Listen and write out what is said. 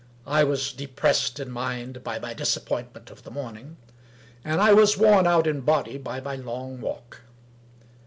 I was depressed in mind by my disap pointment of the morning; and I was worn out in body by my long walk.